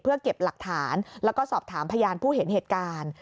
เพื่อเก็บหลักฐานแล้วก็สอบถามพยานผู้เห็นเหตุการณ์